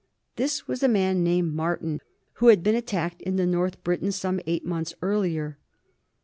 This was a man named Martin, who had been attacked in the North Briton some eight months earlier.